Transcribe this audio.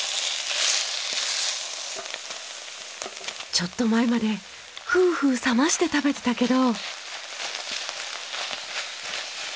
ちょっと前までフーフー冷まして食べてたけど。